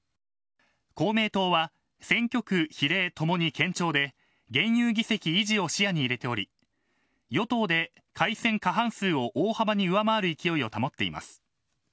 公明党は選挙区比例ともに堅調で現有議席維持を視野に入れており与党で改選過半数を大幅に上回る勢いを保っています。